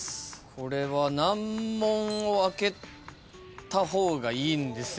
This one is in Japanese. これは難問をあけた方がいいんですよね。